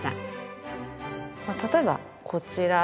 例えばこちら。